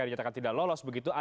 dijatakan tidak lolos begitu